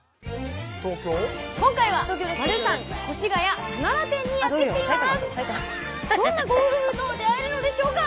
今回はマルサン越谷花田店にやって来ています